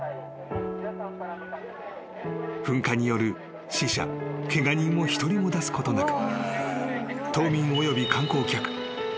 ［噴火による死者ケガ人を一人も出すことなく］